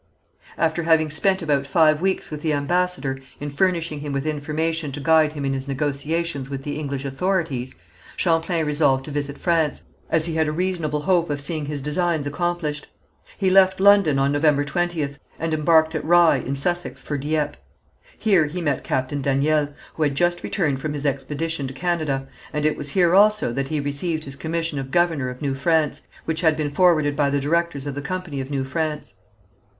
After having spent about five weeks with the ambassador in furnishing him with information to guide him in his negotiations with the English authorities, Champlain resolved to visit France, as he had a reasonable hope of seeing his designs accomplished. He left London on November 20th, and embarked at Rye, in Sussex, for Dieppe. Here he met Captain Daniel, who had just returned from his expedition to Canada, and it was here also that he received his commission of governor of New France, which had been forwarded by the directors of the Company of New France.